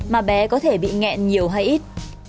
mà bé có thể bị nghẹn nhiều hay ít